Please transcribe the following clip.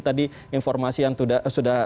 tadi informasi yang sudah